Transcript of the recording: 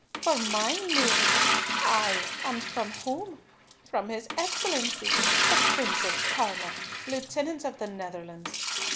For mine, maiden. Ay, and from whom? From his Excellency, the Prince of Parma, Lieutenant of the Netherlands.